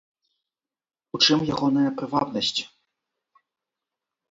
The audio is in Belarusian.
У чым ягоная прывабнасць?